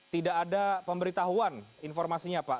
tidak ada pemberitahuan informasinya pak